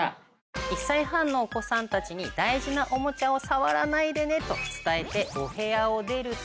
１歳半のお子さんたちに大事なおもちゃを触らないでねと伝えてお部屋を出ると。